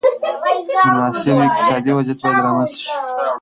مناسب اقتصادي وضعیت باید رامنځته شي.